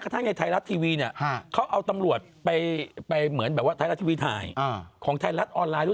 ทั้งกับทำรอดภัยในไทยรัฐทีวีเนี่ย